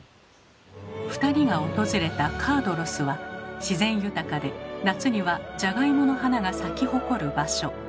２人が訪れたカードロスは自然豊かで夏にはじゃがいもの花が咲きほこる場所。